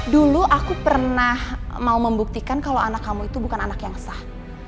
dulu aku pernah mau membuktikan kalau anak kamu itu bukan anak yang sah